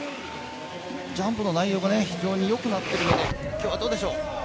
ジャンプの内容が非常に良くなっているので、今日はどうでしょう？